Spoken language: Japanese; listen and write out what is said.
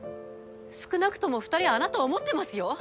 少なくとも２人はあなたを思ってますよ。